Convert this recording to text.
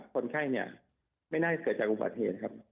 คนไข้เนี่ยไม่น่าจะเกิดจากอุบัติเหตุครับ